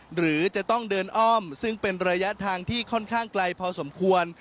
หรือจะต้องเดินอ้อมซึ่งเป็นระยะทางที่ค่อนข้างไกลพอสมควร